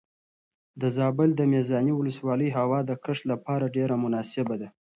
د زابل د میزانې ولسوالۍ هوا د کښت لپاره ډېره مناسبه ده.